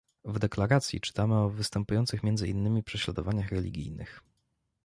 w deklaracji czytamy o występujących między innymi prześladowaniach religijnych